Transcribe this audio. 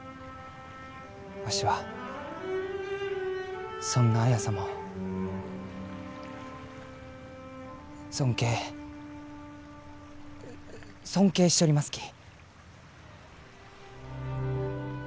わしはそんな綾様を尊敬尊敬しちょりますき。